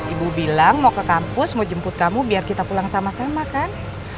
ibu bilang mau ke kampus mau jemput kamu biar kita pulang sama sama kan